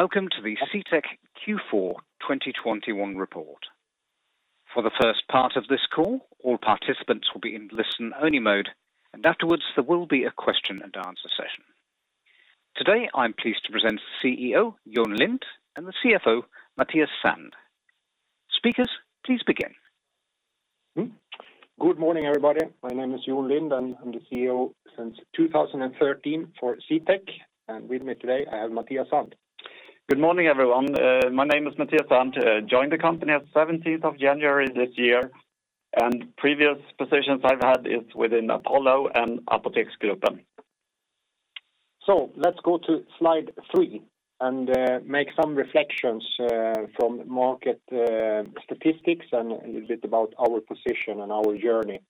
Welcome to the CTEK Q4 2021 report. For the first part of this call, all participants will be in listen-only mode, and afterwards there will be a question and answer session. Today, I'm pleased to present the CEO, Jon Lind, and the CFO, Mathias Sandh. Speakers, please begin. Good morning, everybody. My name is Jon Lind, and I'm the CEO since 2013 for CTEK. With me today, I have Mathias Sandh. Good morning, everyone. My name is Mathias Sandh. I joined the company on the 17th of January this year. Previous positions I've had is within Apollo and Apoteksgruppen. Let's go to slide three and make some reflections from market statistics and a little bit about our position and our journey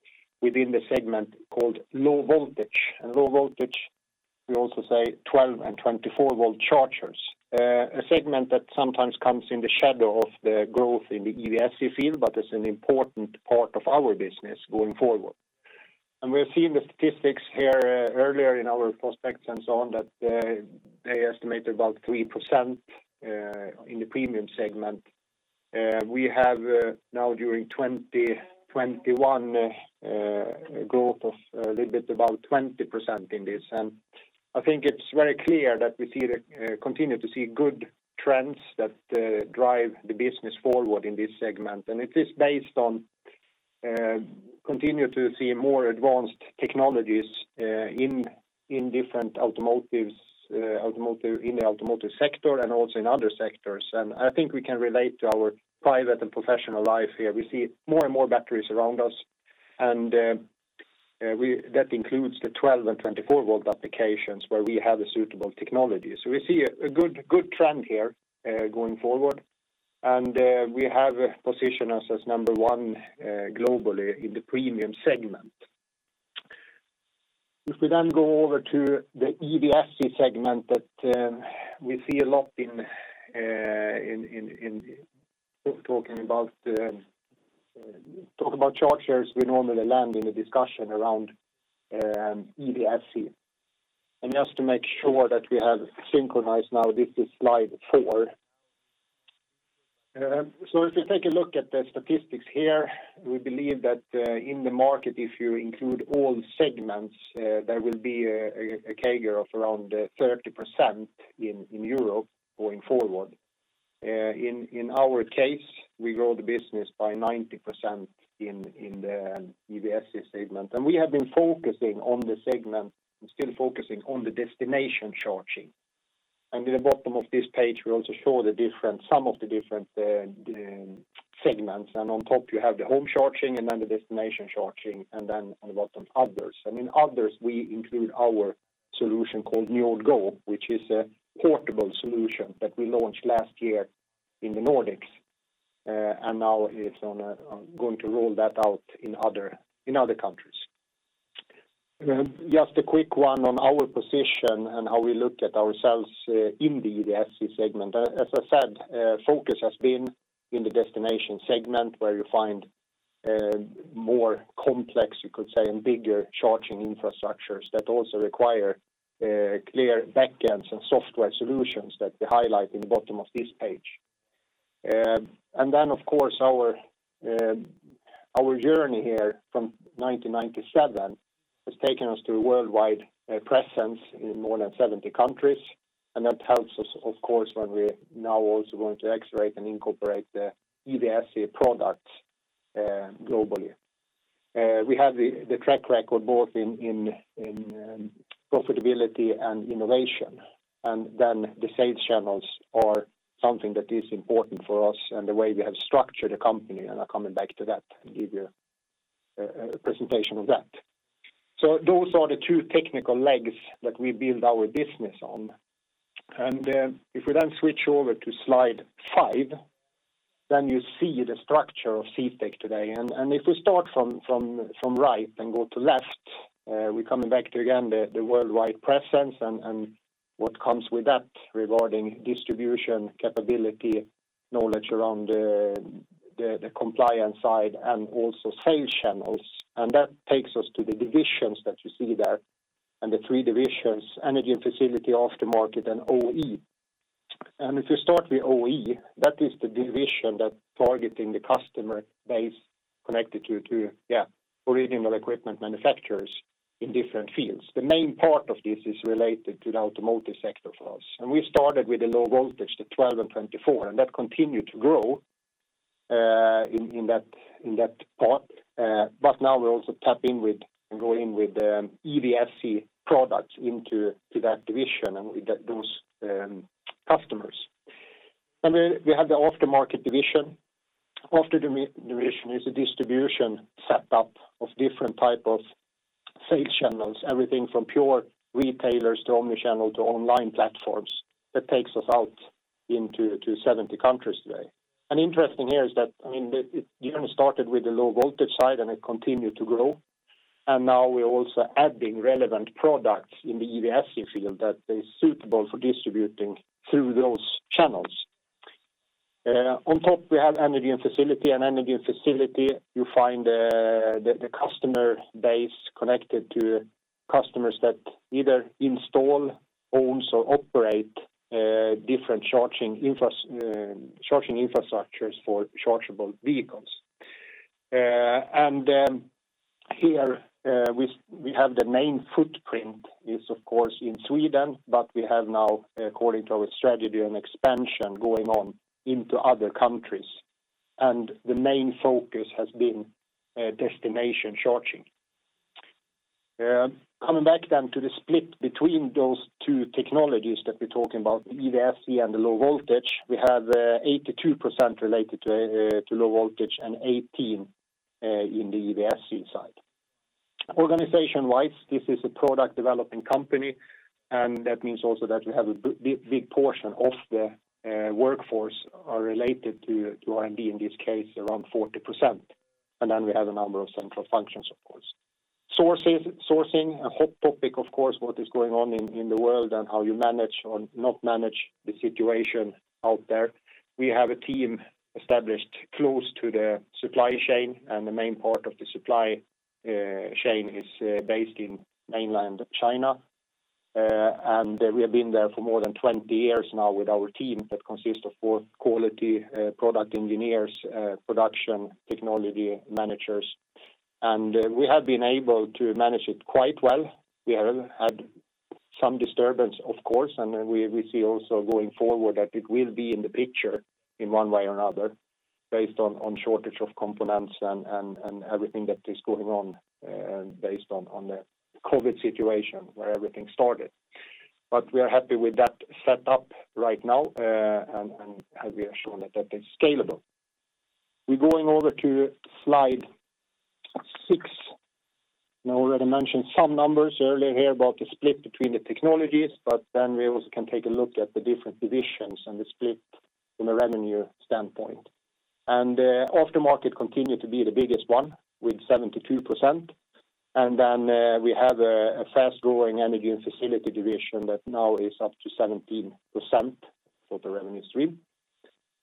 within the segment called low voltage. Low voltage, we also say 12 and 24 volt chargers. A segment that sometimes comes in the shadow of the growth in the EVSE field, but it's an important part of our business going forward. We've seen the statistics here earlier in our prospects and so on that they estimate about 3% in the premium segment. We have now during 2021 growth of a little bit about 20% in this. I think it's very clear that we continue to see good trends that drive the business forward in this segment. It is based on continue to see more advanced technologies in different automotive in the automotive sector and also in other sectors. I think we can relate to our private and professional life here. We see more and more batteries around us. That includes the 12 and 24 volt applications where we have a suitable technology. We see a good trend here going forward. We have positioned us as number one globally in the premium segment. If we then go over to the EVSE segment that we see a lot in people talking about chargers, we normally land in a discussion around EVSE. Just to make sure that we have synchronized now, this is slide four. If you take a look at the statistics here, we believe that in the market, if you include all segments, there will be a CAGR of around 30% in Europe going forward. In our case, we grow the business by 90% in the EVSE segment. We have been focusing on the segment, and still focusing on the destination charging. In the bottom of this page, we also show some of the different segments. On top you have the home charging, and then the destination charging, and then on the bottom, others, I mean, others we include our solution called NJORD Go, which is a portable solution that we launched last year in the Nordics. Now it's going to roll that out in other countries. Just a quick one on our position and how we look at ourselves in the EVSE segment. As I said, focus has been in the destination segment where you find more complex, you could say, and bigger charging infrastructures that also require clear backends and software solutions that we highlight in the bottom of this page. Of course our journey here from 1997 has taken us to a worldwide presence in more than 70 countries. That helps us, of course, when we're now also going to accelerate and incorporate the EVSE products globally. We have the track record both in profitability and innovation. The sales channels are something that is important for us and the way we have structured the company. I'm coming back to that and give you a presentation of that. Those are the two technical legs that we build our business on. If we then switch over to slide five, then you see the structure of CTEK today. If we start from right and go to left, we're coming back to again the worldwide presence and what comes with that regarding distribution capability, knowledge around the compliance side and also sales channels. That takes us to the divisions that you see there. The three divisions, Energy and Facilities, Aftermarket, and OE. If you start with OE, that is the division that's targeting the customer base connected to original equipment manufacturers in different fields. The main part of this is related to the automotive sector for us. We started with the low voltage, the 12 and 24, and that continued to grow in that part. But now we're also tapping into and going with the EVSE products into that division and with those customers. We have the aftermarket division. Aftermarket division is a distribution setup of different type of sales channels, everything from pure retailers to omni-channel to online platforms that takes us out into 70 countries today. Interesting here is that it even started with the low voltage side, and it continued to grow. Now we're also adding relevant products in the EVSE field that is suitable for distributing through those channels. On top we have Energy and Facilities. In energy and facility, you find the customer base connected to customers that either install, owns, or operate different charging infrastructures for chargeable vehicles. We have the main footprint is of course in Sweden, but we have now, according to our strategy and expansion going on into other countries. The main focus has been destination charging. Coming back to the split between those two technologies that we're talking about, EVSE and the low voltage, we have 82% related to low voltage and 18% in the EVSE side. Organization-wise, this is a product development company, and that means also that we have a big portion of the workforce are related to R&D, in this case, around 40%. We have a number of central functions, of course. Sourcing, a hot topic of course, what is going on in the world and how you manage or not manage the situation out there. We have a team established close to the supply chain, and the main part of the supply chain is based in mainland China. We have been there for more than 20 years now with our team that consists of four quality product engineers, production technology managers. We have been able to manage it quite well. We have had some disturbance, of course, and we see also going forward that it will be in the picture in one way or another based on shortage of components and everything that is going on, based on the COVID situation where everything started. We are happy with that setup right now, and how we've shown that is scalable. We're going over to slide 6. Now I already mentioned some numbers earlier here about the split between the technologies, but then we also can take a look at the different divisions and the split from a revenue standpoint. Aftermarket continued to be the biggest one with 72%. We have a fast-growing Energy and Facilities division that now is up to 17% of the revenue stream.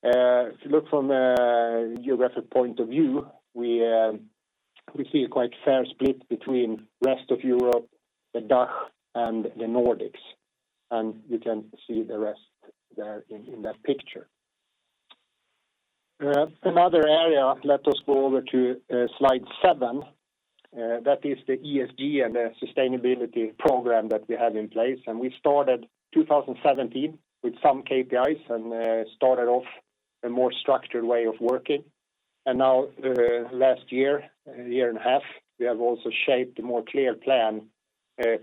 If you look from a geographic point of view, we see a quite fair split between rest of Europe, the DACH, and the Nordics. You can see the rest there in that picture. Another area, let us go over to slide seven. That is the ESG and the sustainability program that we have in place. We started 2017 with some KPIs and started off in a more structured way of working. Now, last year, a year and a half, we have also shaped a more clear plan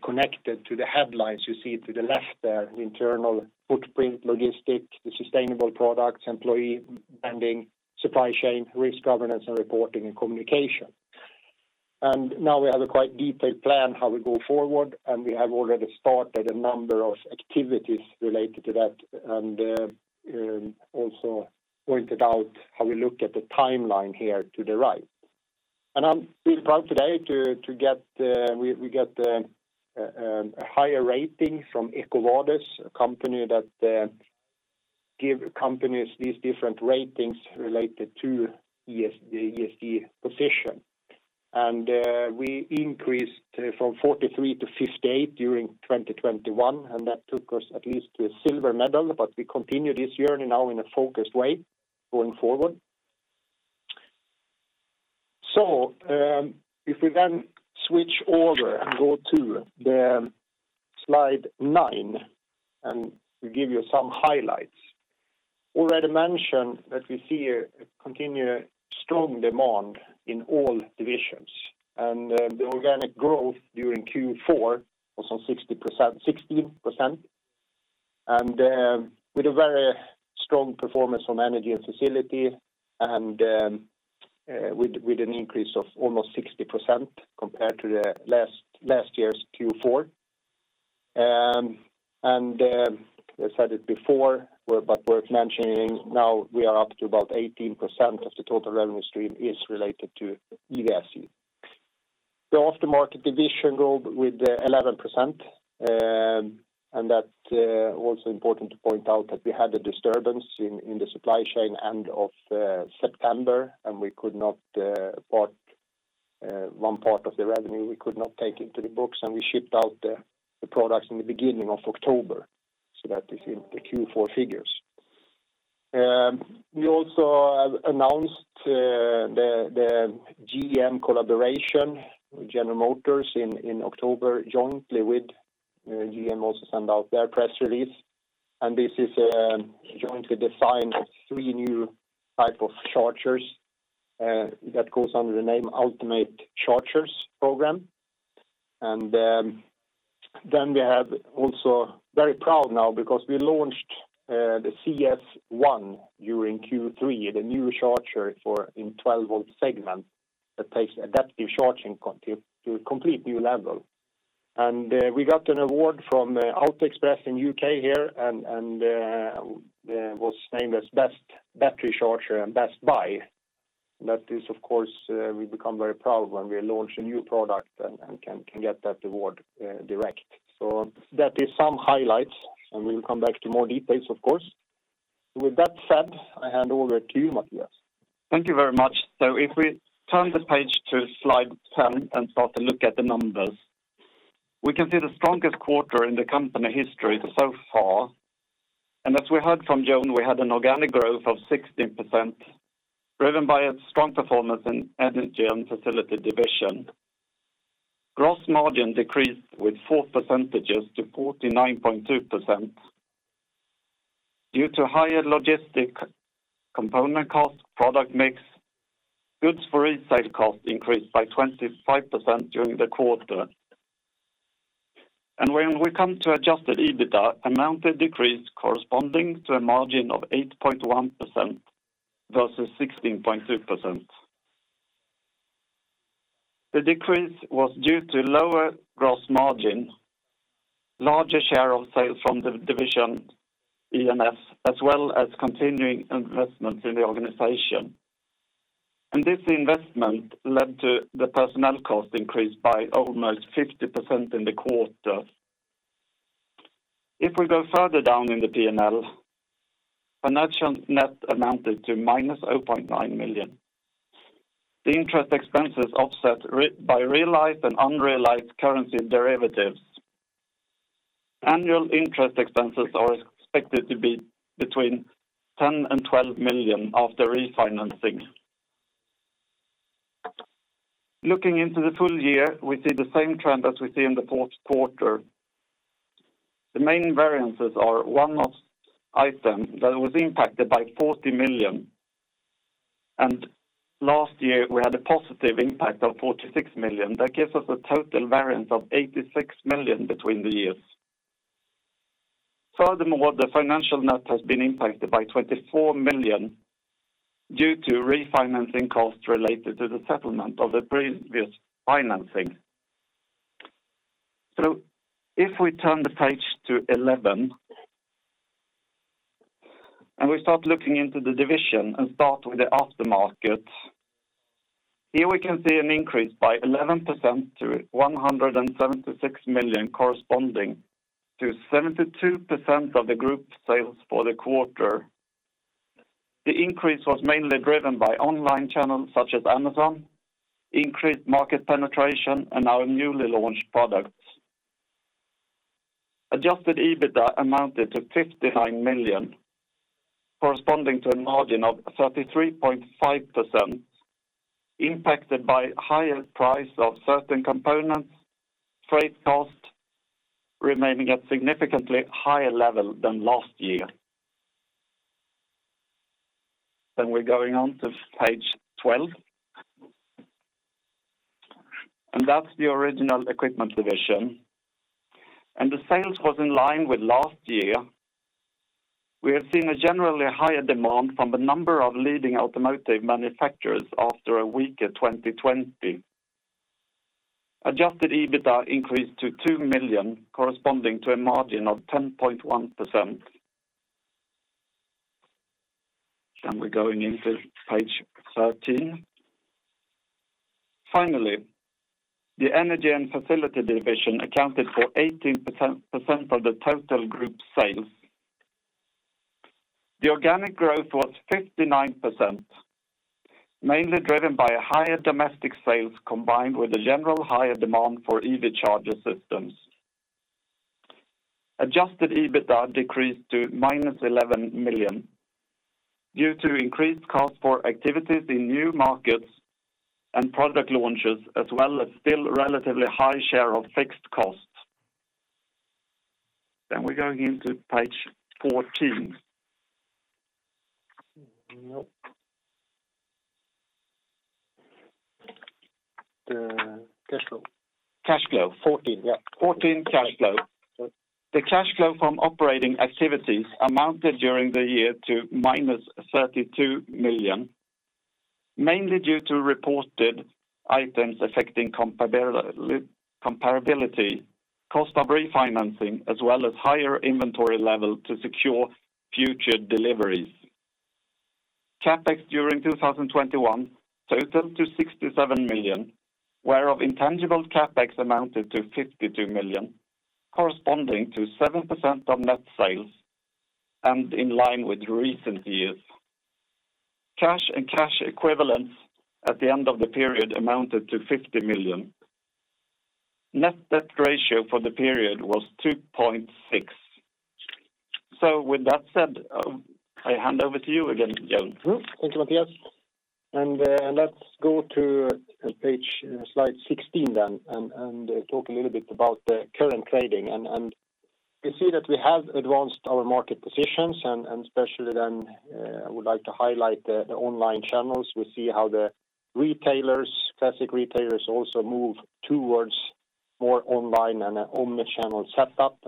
connected to the headlines you see to the left there, internal footprint, logistics, sustainable products, employee spending, supply chain, risk governance, and reporting and communication. Now we have a quite detailed plan how we go forward, and we have already started a number of activities related to that and also pointed out how we look at the timeline here to the right. I'm really proud today that we get a higher rating from EcoVadis, a company that give companies these different ratings related to the ESG position. We increased from 43 to 58 during 2021, and that took us at least to a silver medal, but we continue this journey now in a focused way going forward. If we then switch over and go to slide nine, and we give you some highlights. Already mentioned that we see a continued strong demand in all divisions, and the organic growth during Q4 was 16%, with a very strong performance on Energy & Facilities and with an increase of almost 60% compared to last year's Q4. I said it before, but worth mentioning now we are up to about 18% of the total revenue stream is related to EVSE. The aftermarket division grew with 11%. Also important to point out that we had a disturbance in the supply chain end of September, and we could not take one part of the revenue into the books, and we shipped out the products in the beginning of October. That is in the Q4 figures. We also have announced the GM collaboration with General Motors in October jointly with GM also sent out their press release. This is jointly defined three new type of chargers that goes under the name Ultium Charging Stations. Then we have also very proud now because we launched the CS ONE during Q3, the new charger for the 12-volt segment that takes adaptive charging to a complete new level. We got an award from Auto Express in the U.K. here and was named as best battery charger and best buy. That is of course we become very proud when we launch a new product and can get that award direct. That is some highlights, and we'll come back to more details of course. With that said, I hand over to you, Mathias. Thank you very much. If we turn the page to slide 10 and start to look at the numbers, we can see the strongest quarter in the company history so far. As we heard from Jon Lind, we had an organic growth of 16% driven by a strong performance in Energy and Facilities division. Gross margin decreased by four percentage points to 49.2%. Due to higher logistics component cost, product mix, goods for resale cost increased by 25% during the quarter. When we come to adjusted EBITDA, the amount decreased corresponding to a margin of 8.1% versus 16.2%. The decrease was due to lower gross margin, larger share of sales from the division E&F, as well as continuing investments in the organization. This investment led to the personnel cost increase by almost 50% in the quarter. If we go further down in the P&L, financial net amounted to -0.9 million. The interest expenses offset by realized and unrealized currency derivatives. Annual interest expenses are expected to be between 10 million and 12 million after refinancing. Looking into the full year, we see the same trend as we see in the fourth quarter. The main variances are one-off item that was impacted by 40 million. Last year, we had a positive impact of 46 million. That gives us a total variance of 86 million between the years. Furthermore, the financial net has been impacted by 24 million due to refinancing costs related to the settlement of the previous financing. If we turn the page to 11, and we start looking into the division and start with the aftermarket. Here we can see an increase by 11% to 176 million, corresponding to 72% of the group sales for the quarter. The increase was mainly driven by online channels such as Amazon, increased market penetration, and our newly launched products. Adjusted EBITDA amounted to 59 million, corresponding to a margin of 33.5%, impacted by higher price of certain components, freight costs remaining at significantly higher level than last year. We're going on to page 12. That's the original equipment division. The sales was in line with last year. We have seen a generally higher demand from a number of leading automotive manufacturers after a weaker 2020. Adjusted EBITDA increased to 2 million, corresponding to a margin of 10.1%. We're going into page 13. Finally, the Energy & Facilities division accounted for 18% of the total group sales. The organic growth was 59%, mainly driven by higher domestic sales, combined with a general higher demand for EV charger systems. Adjusted EBITDA decreased to -11 million due to increased costs for activities in new markets and product launches, as well as still relatively high share of fixed costs. We're going into page 14. No. The cash flow. Cash flow. 14, yeah. 14, cash flow. The cash flow from operating activities amounted during the year to -32 million, mainly due to reported items affecting comparability, cost of refinancing, as well as higher inventory level to secure future deliveries. CapEx during 2021 totaled to 67 million, whereof intangible CapEx amounted to 52 million, corresponding to 7% of net sales and in line with recent years. Cash and cash equivalents at the end of the period amounted to 50 million. Net debt ratio for the period was 2.6. With that said, I hand over to you again, Jon. Thank you, Mathias. Let's go to page, slide 16 then and talk a little bit about the current trading. You see that we have advanced our market positions, and especially then, I would like to highlight the online channels. We see how the retailers, classic retailers also move towards more online and a omni-channel setup.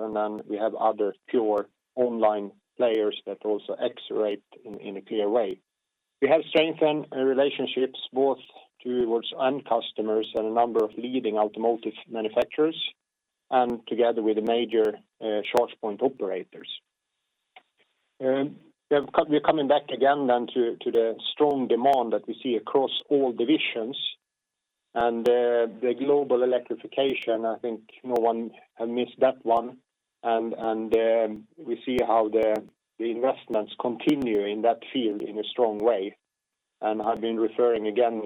We have other pure online players that also accelerate in a clear way. We have strengthened our relationships both towards end customers and a number of leading automotive manufacturers, and together with the major charge point operators. We're coming back again then to the strong demand that we see across all divisions. The global electrification, I think no one had missed that one. We see how the investments continue in that field in a strong way. I've been referring again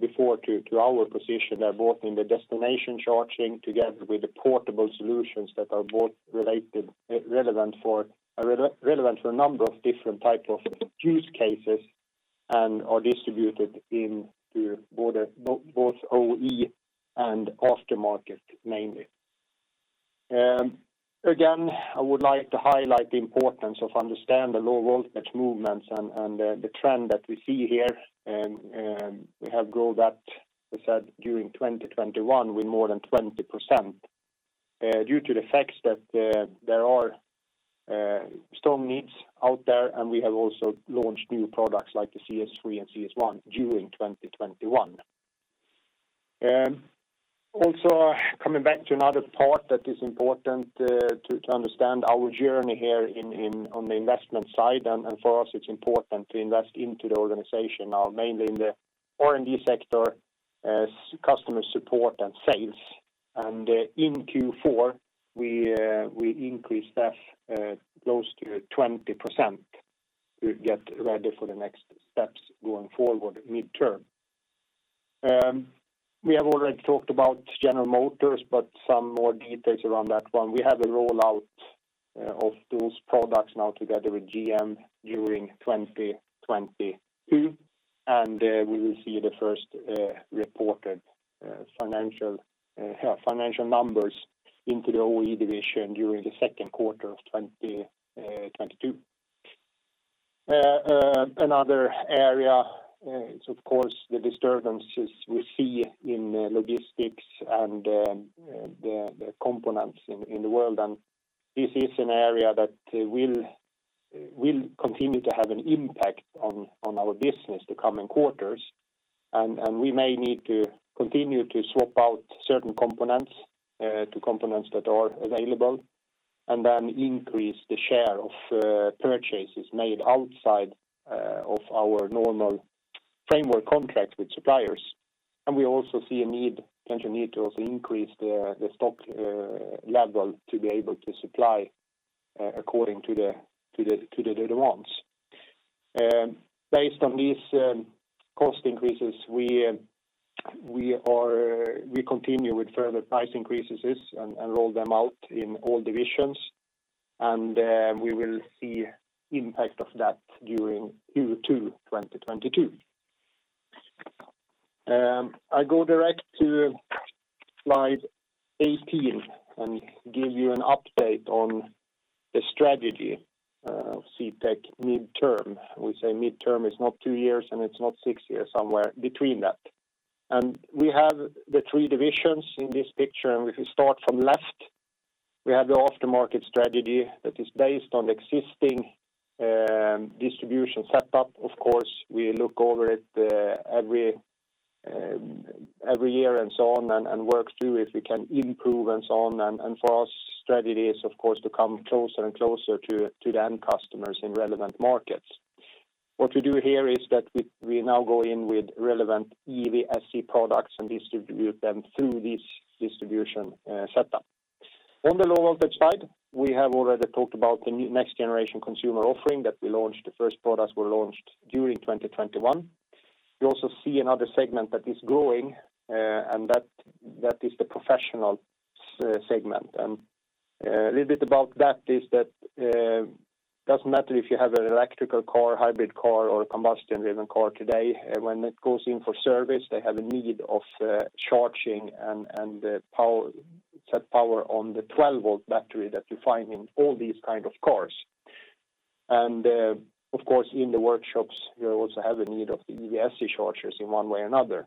before to our position both in the destination charging together with the portable solutions that are both related relevant for a number of different type of use cases and are distributed into both OE and aftermarket mainly. Again, I would like to highlight the importance of understanding the low voltage movements and the trend that we see here. We saw growth during 2021 with more than 20% due to the fact that there are strong needs out there, and we have also launched new products like the CS3 and CS1 during 2021. Also coming back to another part that is important to understand our journey here in on the investment side. For us, it's important to invest into the organization now, mainly in the R&D sector, customer support and sales. In Q4, we increased staff close to 20% to get ready for the next steps going forward midterm. We have already talked about General Motors, but some more details around that one. We have a rollout of those products now together with GM during 2022, and we will see the first reported financial numbers into the OE division during the second quarter of 2022. Another area is of course the disturbances we see in logistics and the components in the world. This is an area that will continue to have an impact on our business the coming quarters. We may need to continue to swap out certain components to components that are available, and then increase the share of purchases made outside of our normal framework contracts with suppliers. We also see a potential need to increase the stock level to be able to supply according to the demands. Based on these cost increases, we continue with further price increases and roll them out in all divisions. We will see impact of that during Q2 2022. I go direct to slide 18 and give you an update on the strategy of CTEK midterm. We say midterm is not two years, and it's not six years, somewhere between that. We have the three divisions in this picture, and if we start from left, we have the aftermarket strategy that is based on existing distribution setup. Of course, we look over it every year and so on and work through if we can improve and so on. For us, strategy is of course to come closer and closer to the end customers in relevant markets. What we do here is that we now go in with relevant EVSE products and distribute them through this distribution setup. On the low voltage side, we have already talked about the next generation consumer offering that we launched. The first products were launched during 2021. We also see another segment that is growing, and that is the professional segment. A little bit about that is that doesn't matter if you have an electric car, hybrid car or a combustion-driven car today, when it goes in for service, they have a need of charging and power, set power on the 12-volt battery that you find in all these kind of cars. Of course, in the workshops, you also have a need of the EVSE chargers in one way or another.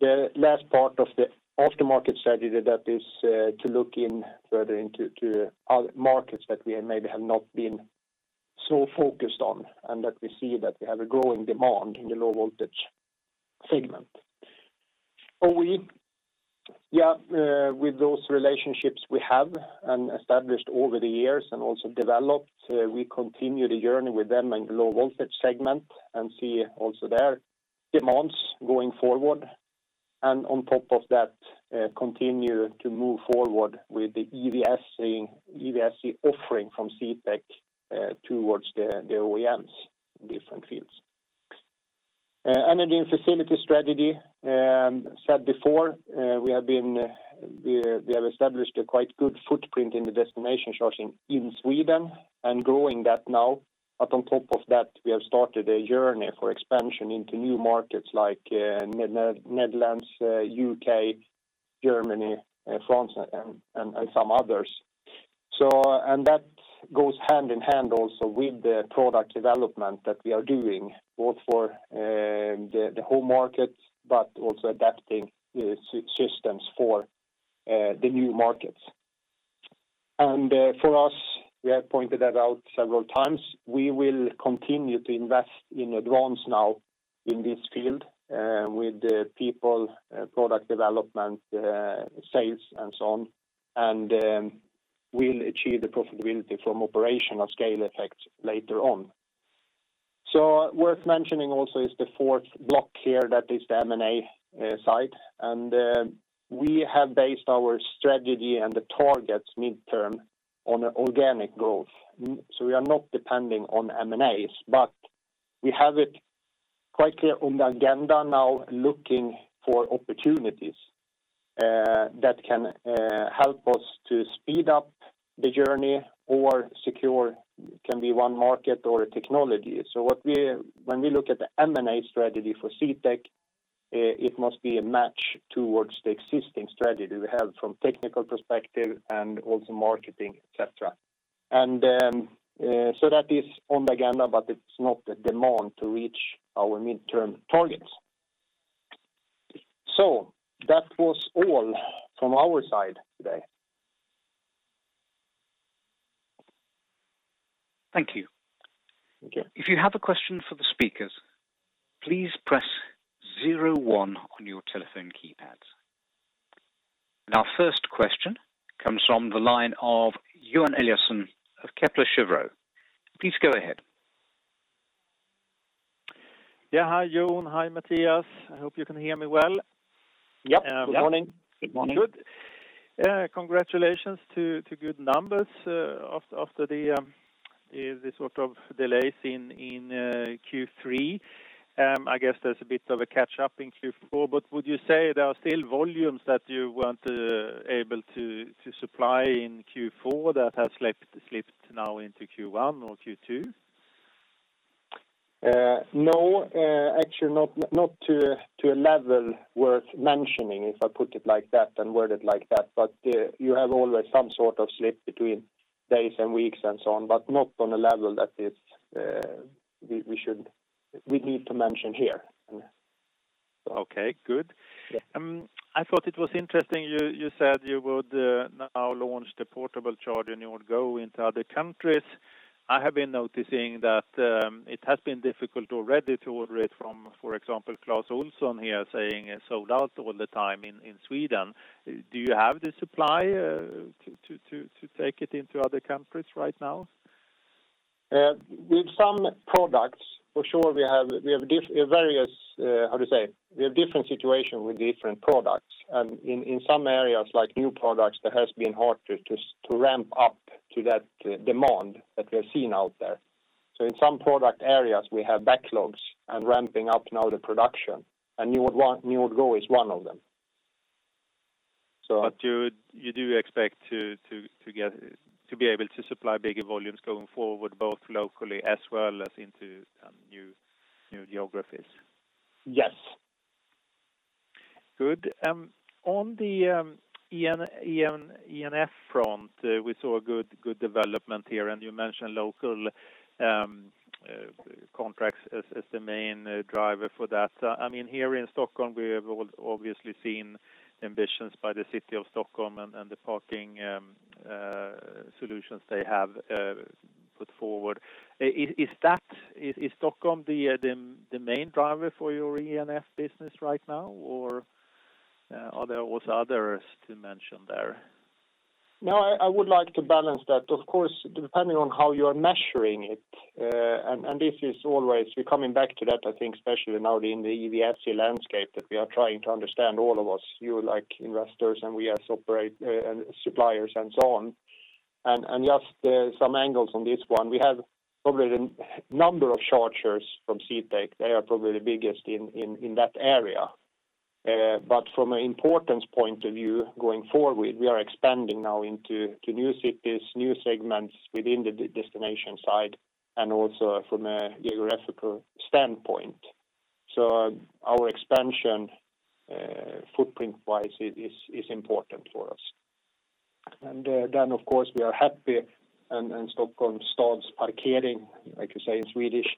The last part of the aftermarket strategy that is to look further into other markets that we maybe have not been so focused on, and that we see that we have a growing demand in the low voltage segment. OEM, with those relationships we have and established over the years and also developed, we continue the journey with them in low voltage segment and see also their demands going forward. On top of that, continue to move forward with the EVSE offering from CTEK towards the OEMs in different fields. E&F strategy, said before, we have established a quite good footprint in the destination charging in Sweden and growing that now. On top of that, we have started a journey for expansion into new markets like Netherlands, U.K., Germany, France and some others. That goes hand in hand also with the product development that we are doing, both for the home markets but also adapting the systems for the new markets. For us, we have pointed that out several times. We will continue to invest in advance now in this field with the people, product development, sales, and so on, and we'll achieve the profitability from operational scale effects later on. Worth mentioning also is the fourth block here that is the M&A side. We have based our strategy and the targets mid-term on organic growth. We are not depending on M&As, but we have it quite clear on the agenda now looking for opportunities that can help us to speed up the journey or secure key in one market or a technology. When we look at the M&A strategy for CTEK, it must be a match towards the existing strategy we have from technical perspective and also marketing, et cetera. That is on the agenda, but it's not the demand to reach our midterm targets. That was all from our side today. Thank you. Okay. If you have a question for the speakers, please press zero one on your telephone keypads. Our first question comes from the line of Johan Eliason of Kepler Cheuvreux. Please go ahead. Yeah. Hi, Johan. Hi, Mathias. I hope you can hear me well. Yep. Good morning. Good morning. Good. Congratulations to good numbers after the sort of delays in Q3. I guess there's a bit of a catch-up in Q4, but would you say there are still volumes that you weren't able to supply in Q4 that have slipped now into Q1 or Q2? No, actually not to a level worth mentioning, if I put it like that and word it like that. You have always some sort of slip between days and weeks and so on, but not on a level that we need to mention here. Okay, good. Yeah. I thought it was interesting you said you would now launch the portable charger and you would go into other countries. I have been noticing that it has been difficult already to order it from, for example, Clas Ohlson here, saying sold out all the time in Sweden. Do you have the supply to take it into other countries right now? With some products, for sure, we have various. We have different situation with different products. In some areas like new products, that has been hard to ramp up to that demand that we're seeing out there. In some product areas, we have backlogs and ramping up now the production and Njord Go is one of them. You do expect to be able to supply bigger volumes going forward, both locally as well as into new geographies? Yes. Good. On the E&F front, we saw a good development here, and you mentioned local contracts as the main driver for that. I mean, here in Stockholm, we have all obviously seen ambitions by the City of Stockholm and the parking solutions they have put forward. Is Stockholm the main driver for your E&F business right now, or are there also others to mention there? No, I would like to balance that. Of course, depending on how you are measuring it, and this is always we're coming back to that, I think especially now in the EVFC landscape that we are trying to understand all of us, you, like investors, and we as suppliers and so on. Some angles on this one. We have probably the number of chargers from CTEK. They are probably the biggest in that area. From an importance point of view going forward, we are expanding now into new cities, new segments within the destination side and also from a geographical standpoint. Our expansion footprint-wise is important for us. Then of course, we are happy, and Stockholms Parkering, like you say in Swedish,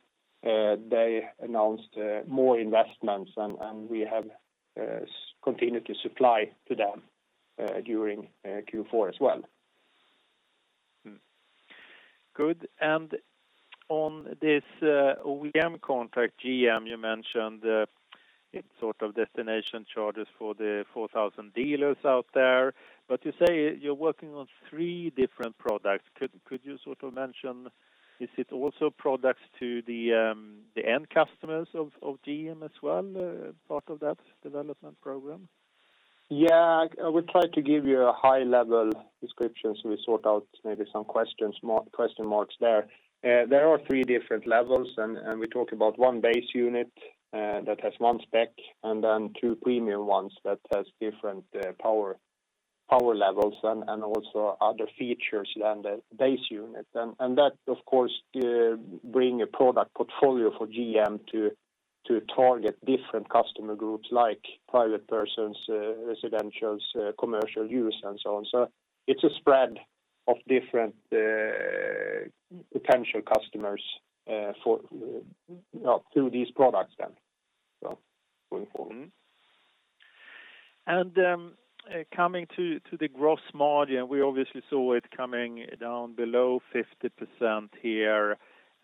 they announced more investments and we have continued to supply to them during Q4 as well. Good. On this OEM contract, GM, you mentioned it sort of destination chargers for the 4,000 dealers out there. You say you're working on three different products. Could you sort of mention, is it also products to the end customers of GM as well, part of that development program? Yeah. I will try to give you a high-level description, so we sort out maybe some questions, more question marks there. There are three different levels and we talk about one base unit that has one spec and then two premium ones that has different power levels and also other features than the base unit. That of course bring a product portfolio for GM to target different customer groups like private persons, residential, commercial use, and so on. It's a spread of different potential customers for through these products then, so going forward. Coming to the gross margin, we obviously saw it coming down below 50% here,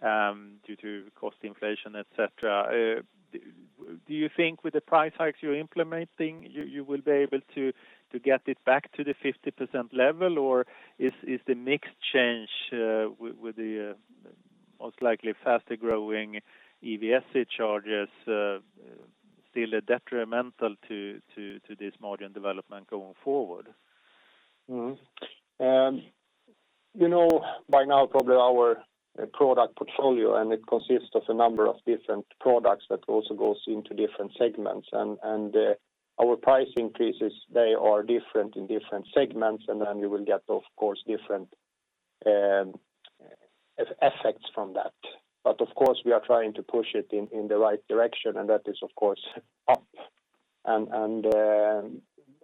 due to cost inflation, et cetera. Do you think with the price hikes you're implementing you will be able to get it back to the 50% level? Or is the mix change with the most likely faster-growing EVSE chargers still detrimental to this margin development going forward? You know by now probably our product portfolio, and it consists of a number of different products that also goes into different segments. Our price increases, they are different in different segments, and then you will get, of course, different effects from that. But of course, we are trying to push it in the right direction, and that is of course up.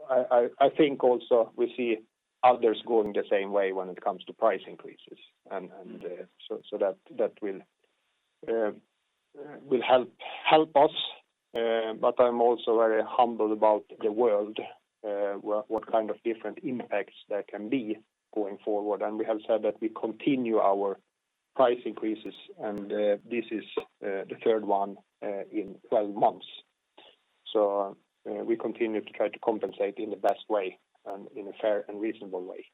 I think also we see others going the same way when it comes to price increases. So that will help us. But I'm also very humble about the world, what kind of different impacts there can be going forward. We have said that we continue our price increases, and this is the third one in 12 months. We continue to try to compensate in the best way and in a fair and reasonable way.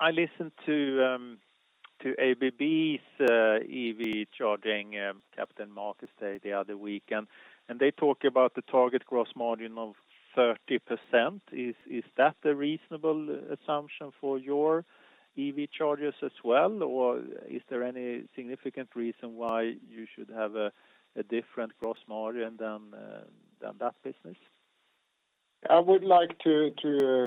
I listened to ABB's EV charging Capital Markets Day the other week, and they talk about the target gross margin of 30%. Is that a reasonable assumption for your EV chargers as well? Is there any significant reason why you should have a different gross margin than that business? I would like to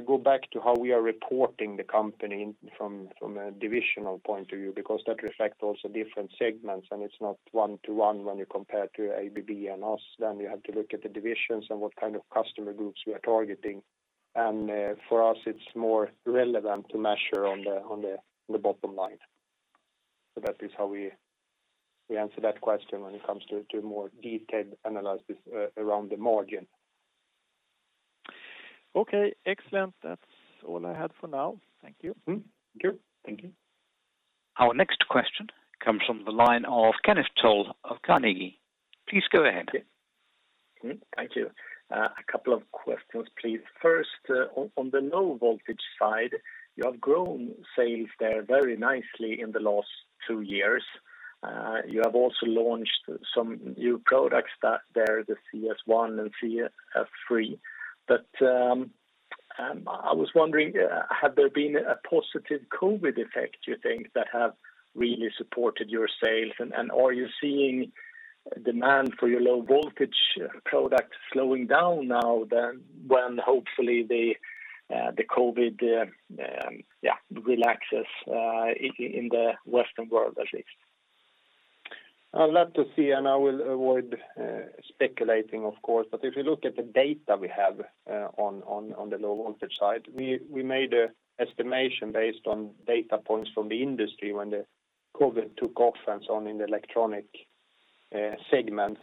go back to how we are reporting the company from a divisional point of view, because that reflects also different segments, and it's not one to one when you compare to ABB and us, then you have to look at the divisions and what kind of customer groups we are targeting. For us, it's more relevant to measure on the bottom line. That is how we answer that question when it comes to a more detailed analysis around the margin. Okay, excellent. That's all I had for now. Thank you. Mm-hmm. Thank you. Our next question comes from the line of Kenneth Toll of Carnegie. Please go ahead. Thank you. A couple of questions, please. First, on the low voltage side, you have grown sales there very nicely in the last two years. You have also launched some new products there, the CS1 and CS3. I was wondering, had there been a positive COVID effect, you think, that have really supported your sales? Are you seeing demand for your low voltage products slowing down now than when hopefully the COVID relaxes in the Western world, at least? I'd like to see, and I will avoid speculating of course. If you look at the data we have on the low voltage side, we made a estimation based on data points from the industry when the COVID took off and so on in the electronic segments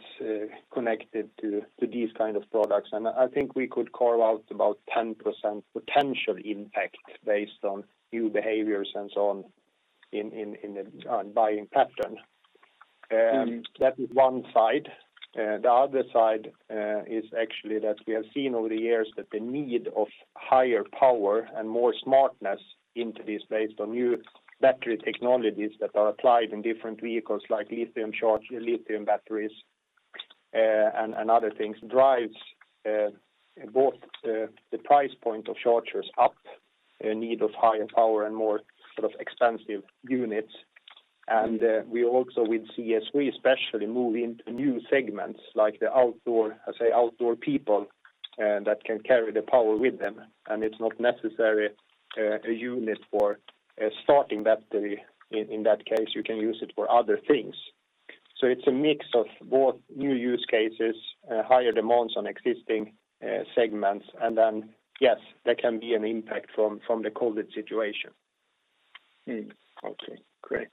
connected to these kind of products. I think we could carve out about 10% potential impact based on new behaviors and so on in the online buying pattern. That is one side. The other side is actually that we have seen over the years that the need of higher power and more smartness into this based on new battery technologies that are applied in different vehicles like lithium-ion batteries and other things drives both the price point of chargers up in need of higher power and more sort of expansive units. We also, with CS, especially move into new segments like the outdoor, let's say, outdoor people that can carry the power with them. It's not necessary a unit for a starting battery. In that case, you can use it for other things. It's a mix of both new use cases, higher demands on existing segments, and then yes, there can be an impact from the COVID situation. Okay. Great.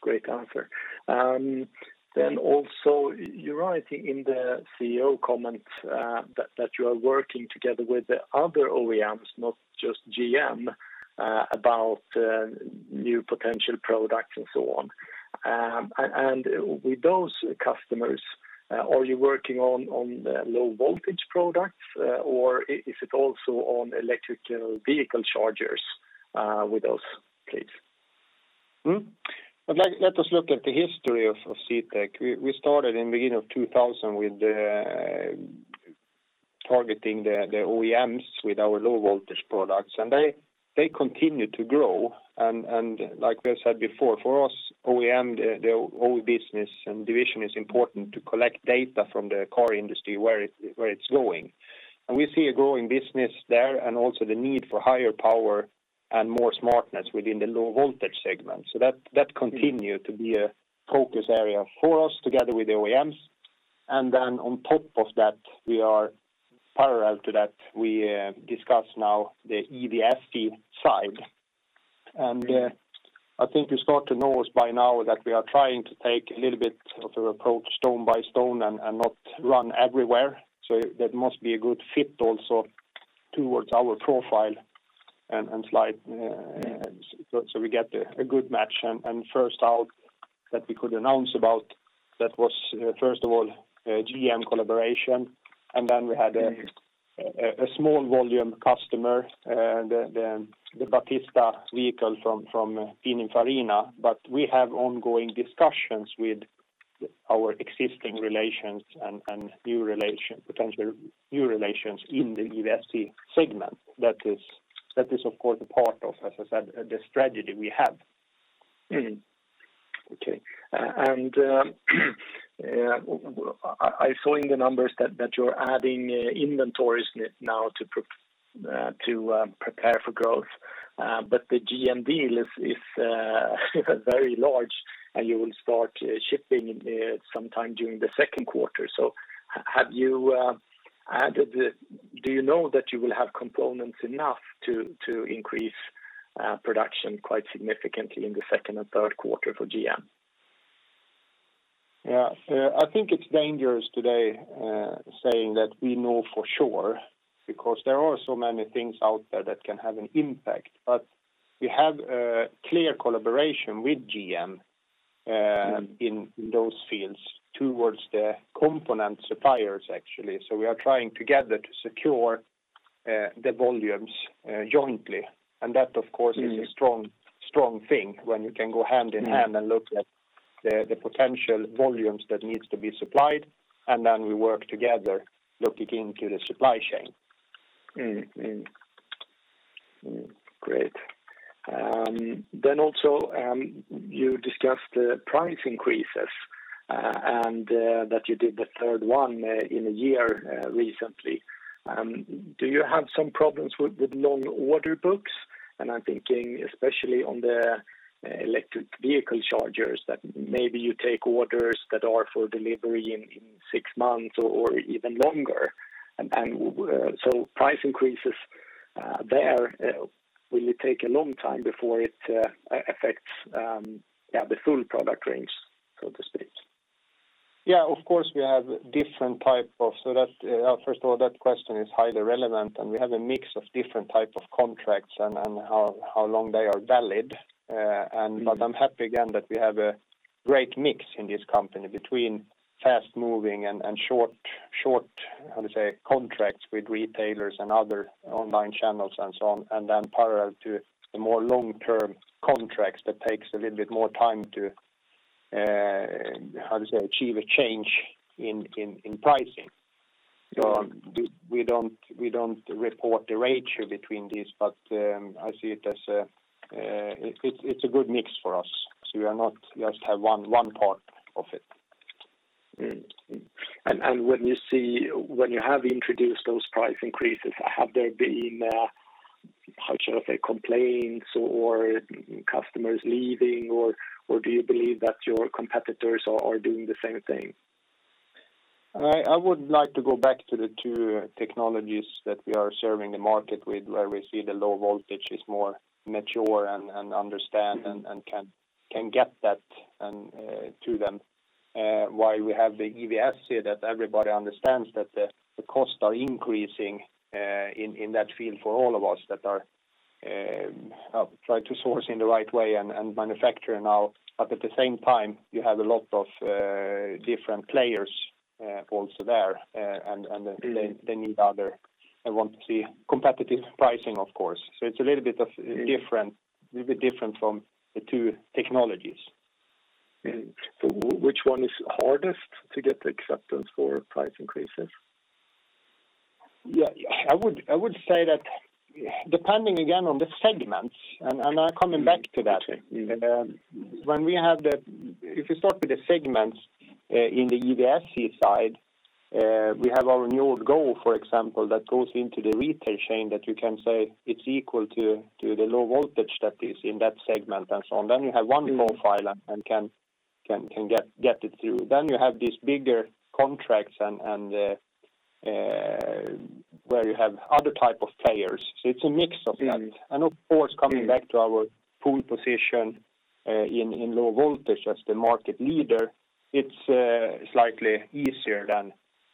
Great answer. Also, you're writing in the CEO comments that you are working together with the other OEMs, not just GM, about new potential products and so on. With those customers, are you working on the low voltage products, or is it also on electric vehicle chargers, with those please? Let us look at the history of CTEK. We started in the beginning of 2000 with targeting the OEMs with our low voltage products, and they continue to grow. Like we said before, for us, OEM, the old business and division is important to collect data from the car industry where it's going. We see a growing business there and also the need for higher power and more smartness within the low voltage segment. That continue to be a focus area for us together with the OEMs. Then on top of that, we are parallel to that. We discuss now the EVSE side. I think you start to know us by now that we are trying to take a little bit of the approach step by step and not run everywhere. That must be a good fit also towards our profile and style, so we get a good match. First out that we could announce about that was, first of all, GM collaboration, and then we had a small volume customer, the Battista vehicle from Pininfarina. We have ongoing discussions with our existing relations and potential new relations in the EVSE segment that is, of course, a part of, as I said, the strategy we have. Okay, I saw in the numbers that you're adding inventories now to prepare for growth. The GM deal is very large, and you will start shipping sometime during the second quarter. Do you know that you will have components enough to increase production quite significantly in the second and third quarter for GM? Yeah. I think it's dangerous today saying that we know for sure because there are so many things out there that can have an impact. We have a clear collaboration with GM. Mm-hmm in those fields towards the component suppliers, actually. We are trying together to secure the volumes jointly. That of course is a strong thing when you can go hand in hand and look at the potential volumes that needs to be supplied, and then we work together looking into the supply chain. Also, you discussed the price increases, and that you did the third one in a year recently. Do you have some problems with long order books? I'm thinking especially on the electric vehicle chargers, that maybe you take orders that are for delivery in six months or even longer. Price increases there, will it take a long time before it affects, yeah, the full product range, so to speak? Yeah, of course, first of all, that question is highly relevant, and we have a mix of different type of contracts and how long they are valid. Mm-hmm I'm happy again that we have a great mix in this company between fast-moving and short, how to say, contracts with retailers and other online channels and so on, and then parallel to the more long-term contracts that takes a little bit more time to how to say, achieve a change in pricing. Sure. We don't report the ratio between these, but I see it as a good mix for us. We are not just have one part of it. When you have introduced those price increases, have there been, how should I say, complaints or customers leaving, or do you believe that your competitors are doing the same thing? I would like to go back to the two technologies that we are serving the market with, where we see the low voltage is more mature and understand and can get that to them. While we have the EVSE that everybody understands that the costs are increasing in that field for all of us that are try to source in the right way and manufacture now. At the same time, you have a lot of different players also there. They need other and want to see competitive pricing, of course. It's a little bit different from the two technologies. Which one is hardest to get the acceptance for price increases? Yeah. I would say that depending again on the segments, and I'm coming back to that. Okay. Mm-hmm. If you start with the segments, in the EVSE side, we have our Njord Go, for example, that goes into the retail chain that you can say it's equal to the low voltage that is in that segment and so on. You have one profile and can get it through. You have these bigger contracts, where you have other type of players. It's a mix of that. Mm-hmm. Of course, coming back to our pole position in low voltage as the market leader, it's slightly easier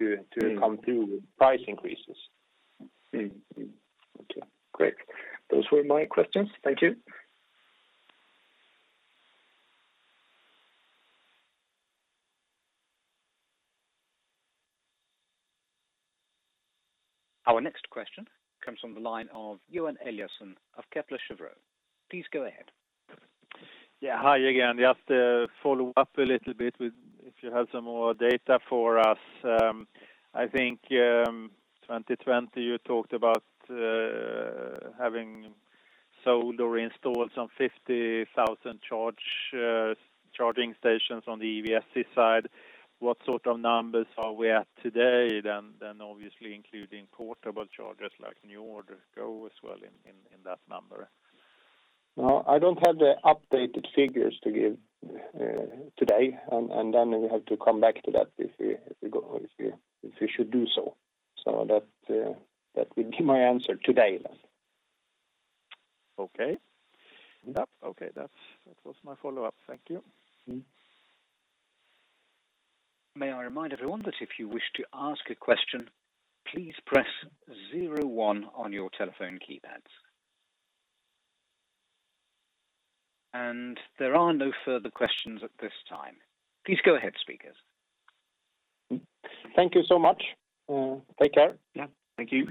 to come through with price increases. Okay, great. Those were my questions. Thank you. Our next question comes from the line of Johan Eliason of Kepler Cheuvreux. Please go ahead. Yeah. Hi again. Just to follow up a little bit with if you have some more data for us. I think, 2020, you talked about having sold or installed some 50,000 charging stations on the EVSE side. What sort of numbers are we at today then? Obviously including portable chargers like Njord Go as well in that number. No, I don't have the updated figures to give today. We have to come back to that if we go, if we should do so. That would be my answer today then. That was my follow-up. Thank you. Mm-hmm. May I remind everyone that if you wish to ask a question, please press zero one on your telephone keypads. And there are no further questions at this time. Please go ahead, speakers. Thank you so much. Take care. Yeah. Thank you.